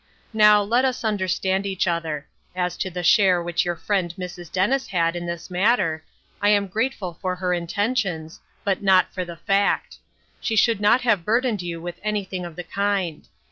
Now, let us understand each other. As to the share which your friend Mrs. Dennis had in' this matter, I am grateful for her intentions, but not for the fact. She should not have burdened you with anything of the kind.